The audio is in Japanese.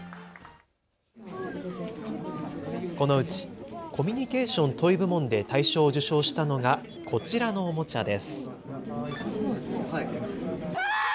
このうちコミュニケーション・トイ部門で大賞を受賞したのがこちらのおもちゃです。